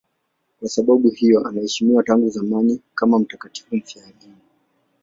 Kwa sababu hiyo anaheshimiwa tangu zamani kama mtakatifu mfiadini.